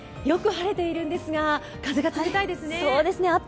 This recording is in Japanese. よく晴れているんですが、風が冷たいですね。